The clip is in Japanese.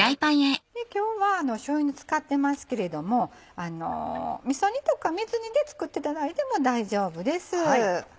今日はしょうゆ煮使ってますけれどもみそ煮とか水煮で作っていただいても大丈夫です。